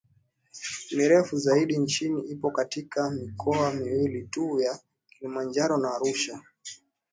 mirefu zaidi nchini ipo katika mikoa miwili tu ya Kilimanjaro na Arusha